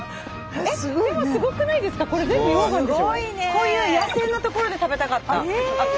こういう野生の所で食べたかった。